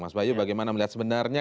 mas bayu bagaimana melihat sebenarnya